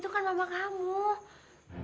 awas ke pinggangunivers al